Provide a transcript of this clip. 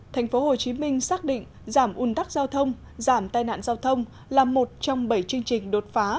thành phố hồ chí minh xác định giảm un tắc giao thông giảm tai nạn giao thông là một trong bảy chương trình đột phá